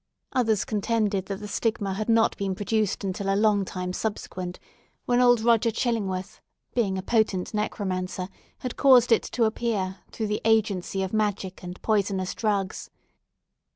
Others contended that the stigma had not been produced until a long time subsequent, when old Roger Chillingworth, being a potent necromancer, had caused it to appear, through the agency of magic and poisonous drugs.